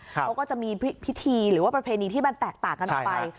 เขาก็จะมีพิธีหรือว่าประเพณีที่มันแตกต่างกันออกไป